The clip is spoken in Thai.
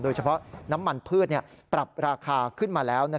โดยเฉพาะน้ำมันพืชปรับราคาขึ้นมาแล้ว